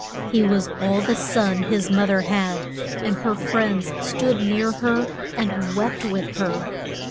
He was all the son his mo ther had, and her friends stood near her and wept with her.